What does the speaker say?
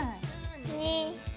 ２。